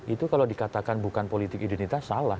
itu kalau dikatakan bukan politik identitas salah